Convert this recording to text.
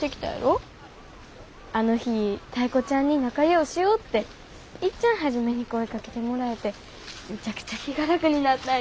あの日タイ子ちゃんに仲ようしようっていっちゃん初めに声かけてもらえてむちゃくちゃ気が楽になったんよ。